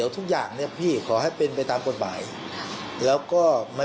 ท่านชาดาก็บอกว่า